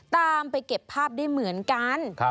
ตามไปเก็บภาพได้เหมือนกัน